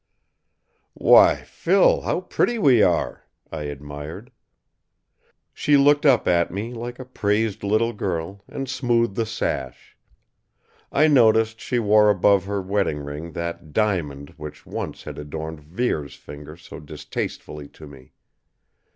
"Why, Phil, how pretty we are!" I admired. She looked up at me like a praised little girl, and smoothed the sash. I noticed she wore above her wedding ring that "diamond" which once had adorned Vere's finger so distastefully to me.